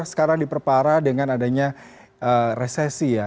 sekarang diperparah dengan adanya resesi ya